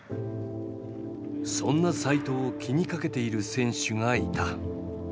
そんな齋藤を気にかけている選手がいた。